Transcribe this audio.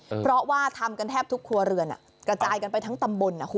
เพราะว่าทำกันแทบทุกครัวเรือนอ่ะกระจายกันไปทั้งตำบลอ่ะคุณ